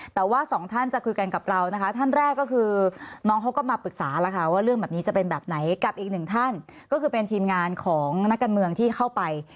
แต่ว่าสองท่านจะคุยกันกับเรานะคะท่านแรกก็คือน้องเขาก็มาปรึกษาแล้วค่ะว่าเรื่องแบบนี้จะเป็นแบบไหนกับอีกหนึ่งท่านก็คือเป็นทีมงานของนักการเมืองที่เข้าไป